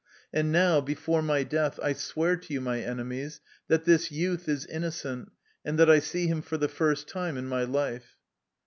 And now, before my death, I swear to you, my enemies, that this youth is innocent, and that I see him for the first time in my life.''